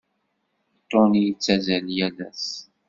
Tony yettazzal yal ass.